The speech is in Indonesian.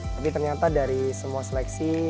tapi ternyata dari semua seleksi